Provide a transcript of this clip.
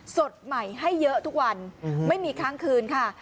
สดใหม่ให้เยอะทุกวันไม่มีค้างคืนค่ะ